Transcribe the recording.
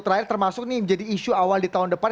terakhir termasuk ini menjadi isu awal di tahun depan